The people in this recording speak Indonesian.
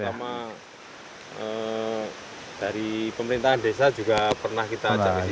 terutama dari pemerintahan desa juga pernah kita ajak ke sini